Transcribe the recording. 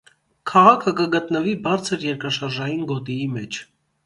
Քաղաքը կը գտնուի բարձր երկրաշարժային գօտիի մէջ։